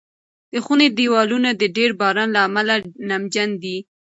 د خونې دېوالونه د ډېر باران له امله نمجن دي.